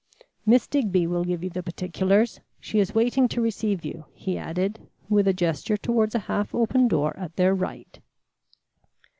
"Miss Digby will give you the particulars. She is waiting to receive you," he added with a gesture towards a half open door at their right.